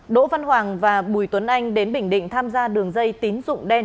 đỗ văn hoàng và bùi tuấn anh đến bình định tham gia đường dây tín dụng đen